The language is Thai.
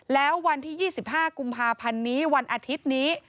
แล้ววันที่๒๕กุมภาพันธ์นี้วันอาทิตย์นี้